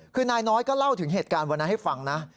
คือนายน้อยก็เล่าถึงเหตุการณ์วันนั้นให้ฟังนะ